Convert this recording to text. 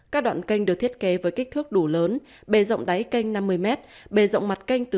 các đoạn canh được thiết kế với kích thước đủ lớn bề rộng đáy canh năm mươi m